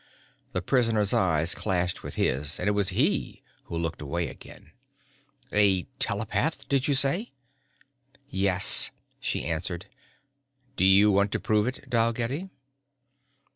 The prisoner's eyes clashed with his and it was he who looked away again. "A telepath, did you say?" "Yes," she answered. "Do you want to prove it, Dalgetty?"